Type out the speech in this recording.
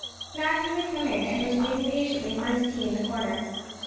Matthew had come in and was waiting patiently for his tea in his corner.